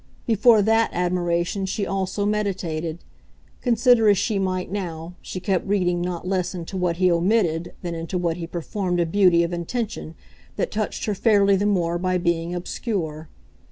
Before THAT admiration she also meditated; consider as she might now, she kept reading not less into what he omitted than into what he performed a beauty of intention that touched her fairly the more by being obscure.